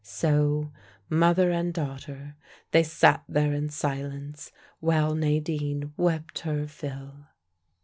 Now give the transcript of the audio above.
So, mother and daughter, they sat there in silence, while Nadine wept her fill.